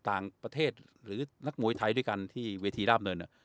ต่างประเทศหรือนักมวยไทยด้วยกันที่เวทีราบเนิน